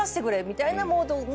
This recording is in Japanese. みたいなモードの。